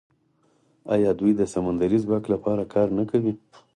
آیا دوی د سمندري ځواک لپاره کار نه کوي؟